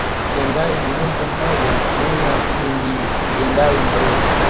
Engai ni Mungu mmoja mwenye asili mbili Engai Narok